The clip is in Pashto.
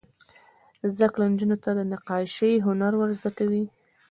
زده کړه نجونو ته د نقاشۍ هنر ور زده کوي.